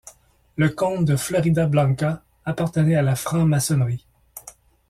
Le comte de Floridablanca appartenait à la franc-maçonnerie.